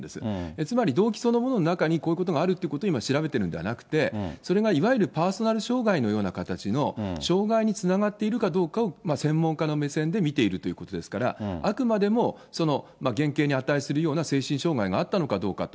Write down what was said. つまり動機そのものの中にこういうことがあるということを今調べてるんではなくて、それがいわゆるパーソナル障害のような形の障害につながっているかどうかを、専門家の目線で見ているということですから、あくまでもその減刑に値するような精神障害があったのかどうかと。